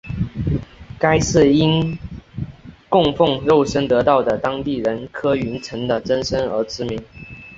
该寺因供奉肉身得道的当地人柯云尘的真身而知名。